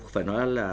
phải nói là